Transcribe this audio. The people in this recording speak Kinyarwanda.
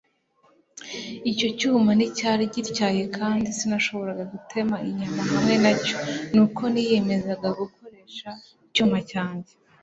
Icyo cyuma nticyari gityaye kandi sinshobora gutema inyama hamwe nacyo nuko niyemeza gukoresha icyuma cyanjye